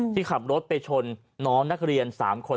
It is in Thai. ที่ขับรถไปชนน้องนักเรียน๓คน